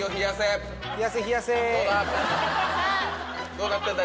どうなってんだ？